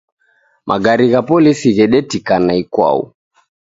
Magare gha polisi ghedetikana ikwau